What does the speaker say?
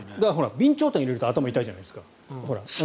備長炭を入れると頭が痛いじゃないですか。